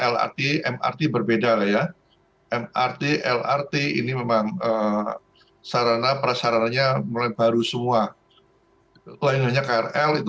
lrt mrt berbeda ya mrt lrt ini memang sarana prasarananya mulai baru semua lainnya krl itu